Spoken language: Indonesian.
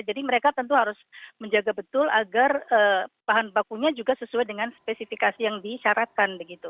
jadi mereka tentu harus menjaga betul agar bahan bakunya juga sesuai dengan spesifikasi yang disyaratkan